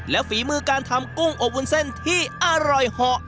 และฝีมือการทำกุ้งอบวุ้นเส้นที่อร่อยเหาะ